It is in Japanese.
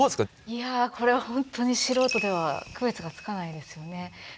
いやこれはほんとに素人では区別がつかないですよね。